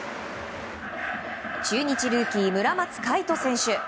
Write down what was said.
中日ルーキー、村松開人選手。